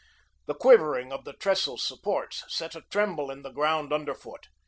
The quivering of the trestle's supports set a tremble in the ground underfoot.